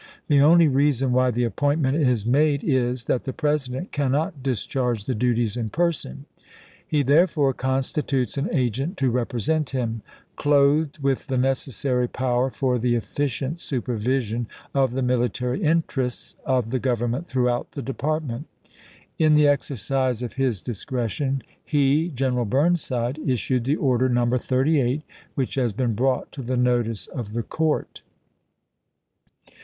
The only reason why the appointment is made is, that the President cannot dis charge the duties in person ; he, therefore, constitutes an agent to represent him, clothed with the necessary power for the efficient supervision of the military interests of the Government throughout the department. .. In the hoS^c l exercise of his discretion he [General Burnsidel issued vaiiandig ham " etc the order (No. 38) which has been brought to the notice PP. 267, 268.' of the court.